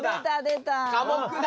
科目だ。